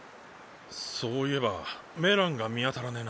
そういえばメランが見当たらねぇな。